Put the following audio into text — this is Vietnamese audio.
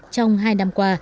trong hai năm qua